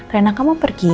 reina kamu pergi